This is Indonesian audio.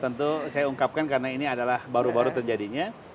tentu saya ungkapkan karena ini adalah baru baru terjadinya